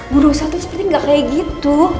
bu rosa tuh seperti gak kayak gitu